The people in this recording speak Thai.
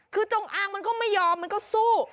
คือจงอางมันก็ไม่ยอมมันก็สู้